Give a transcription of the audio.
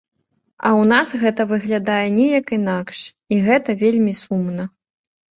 А ў нас гэта выглядае неяк інакш, і гэта вельмі сумна.